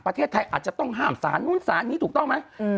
ประเทศไทยอาจจะต้องห้ามสารนู้นสารนี้ถูกต้องไหม